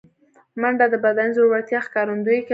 منډه د بدني زړورتیا ښکارندویي کوي